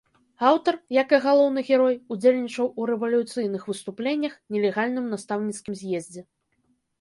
Аўтар, як і галоўны герой, удзельнічаў у рэвалюцыйных выступленнях, нелегальным настаўніцкім з'ездзе.